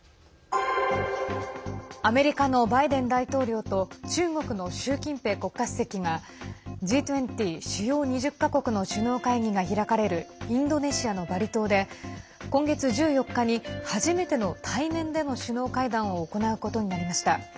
アメリカのバイデン大統領と中国の習近平国家主席がＧ２０＝主要２０か国の首脳会議が開かれるインドネシアのバリ島で今月１４日に初めての対面での首脳会談を行うことになりました。